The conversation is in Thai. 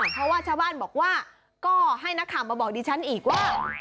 เพราะว่าชาวบ้านบอกว่าก็ให้นักข่าวมาบอกดิฉันอีกว่า